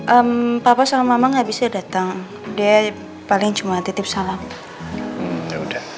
em papa sama mama nggak bisa datang deh paling cuma titip salam ya udah